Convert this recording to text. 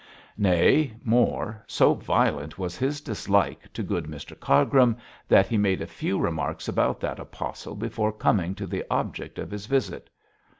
Nay, more, so violent was his dislike to good Mr Cargrim, that he made a few remarks about that apostle before coming to the object of his visit.